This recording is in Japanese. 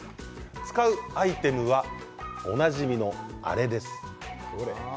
使うアイテムはおなじみのあれです。